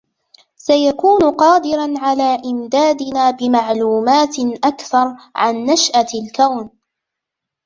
سيكون قادرا على إمدادنا بمعلومات أكثر عن نشأة الكون